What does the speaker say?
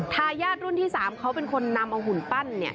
ทายาทรุ่นที่๓เขาเป็นคนนำเอาหุ่นปั้น